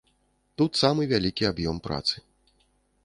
Тут самы вялікі аб'ём працы.